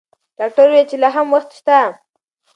ډاکټر وویل چې لا هم وخت شته.